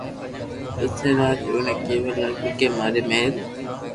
پسي راج اوني ڪيوا لاگيو ڪي ماري مھل